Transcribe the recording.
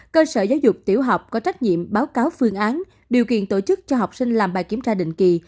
cơ sở giáo dục tiểu học có trách nhiệm báo cáo phương án điều kiện tổ chức cho học sinh làm bài kiểm tra định kỳ